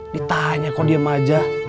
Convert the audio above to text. ditanya kok diem aja